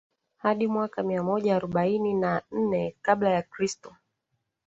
hadi mwaka mia moja arobaini na nne kabla ya kristo